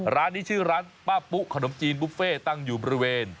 ร้านนี้ชื่อร้านป้าปุ๊ขนมจีนบุฟเฟ่ตั้งอยู่บริเวณ